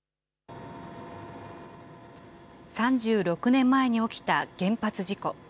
３６年前に起きた原発事故。